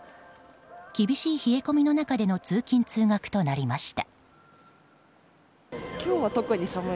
厳しい冷え込みの中での通勤・通学となりました。